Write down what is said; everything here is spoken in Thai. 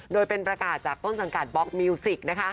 โดยเป็นประกาศจากต้นสังกัดบล็อกมิวสิกนะคะ